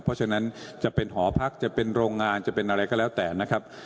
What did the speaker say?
เพราะฉะนั้นจะเป็นหอพักจะเป็นโรงงานจะเป็นอะไรก็แล้วแต่นะครับ